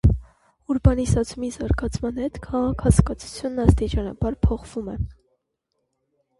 Ուրբանիզացումի զարգացման հետ «քաղաք» հասկացությունն աստիճանաբար փոխվում է։